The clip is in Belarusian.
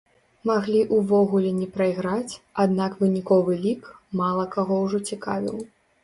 Маглі ўвогуле не прайграць, аднак выніковы лік, мала каго ўжо цікавіў.